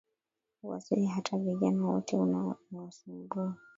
Wazee hata vijana, wote umewasubua,